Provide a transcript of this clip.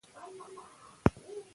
که علم وي نو رڼا نه ورکیږي.